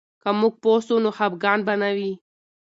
که موږ پوه سو، نو خفګان به نه وي.